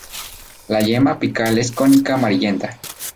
La yema apical es cónica amarillenta.